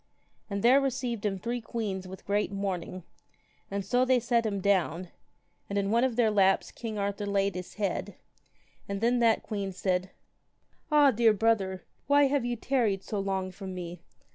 And there received him three queens with great mourning, and so they set him down, and in one of their laps king Arthur laid his head, and then that queen said, Ah, dear brother, why have ye tarried so long from me?